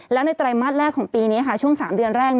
แล้วในไตรมาสแรกของปีนี้ค่ะช่วง๓เดือนแรก